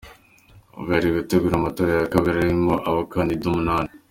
Ubu bari gutegura amatora ya kabiri arimo abakandida umunani.